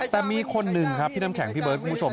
แต่มีคนหนึ่งครับพี่น้ำแข็งพี่เบิร์ดคุณผู้ชม